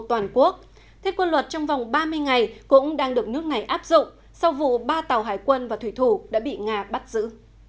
toàn quân thiết quân luật trong vòng ba mươi ngày cũng đang được nước này áp dụng sau vụ ba tàu hải quân và thủy thủ đã bị nga bắt giữ